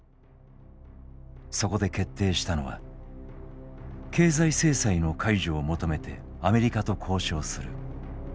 そこで決定したのは「経済制裁の解除を求めてアメリカと交渉する。